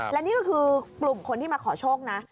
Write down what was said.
และนี่ก็คือกลุ่มคนที่มาขอโชคนะ